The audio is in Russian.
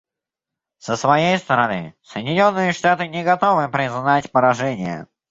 Со своей стороны, Соединенные Штаты не готовы признать поражение.